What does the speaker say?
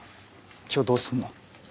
今日どうすんの？